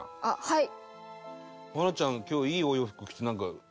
はい。